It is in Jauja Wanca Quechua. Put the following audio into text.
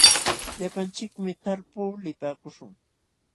Llapanchikmi talpuu lipaakuśhun.